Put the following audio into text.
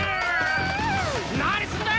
何すんだ！